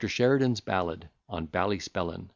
SHERIDAN'S BALLAD ON BALLY SPELLIN.